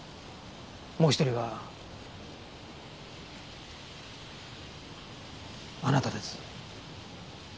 もう１人はあなたです。